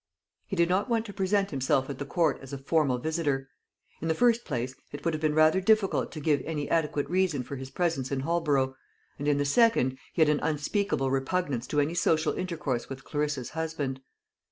He did not want to present himself at the Court as a formal visitor. In the first place, it would have been rather difficult to give any adequate reason for his presence in Holborough; and in the second, he had an unspeakable repugnance to any social intercourse with Clarissa's husband.